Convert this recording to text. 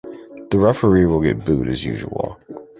The referee will get booed as usual.